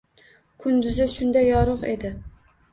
Kunduzi shunda yorug’ edi.